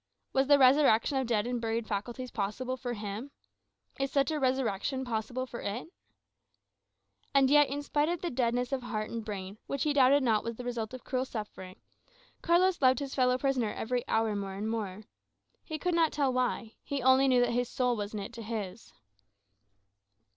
Was the resurrection of dead and buried faculties possible for him? Is such a resurrection possible for it? And yet, in spite of the deadness of heart and brain, which he doubted not was the result of cruel suffering, Carlos loved his fellow prisoner every hour more and more. He could not tell why; he only knew that "his soul was knit" to his.